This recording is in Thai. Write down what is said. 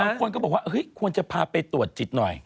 บางคนก็บอกว่าควรจะพาไปตรวจจิตหน่อย